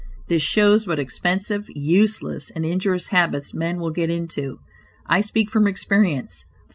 This shows what expensive, useless and injurious habits men will get into. I speak from experience.